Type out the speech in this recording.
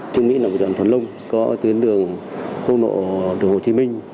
trường mỹ là một đoạn thuần lông có tuyến đường khu nộ đồ hồ chí minh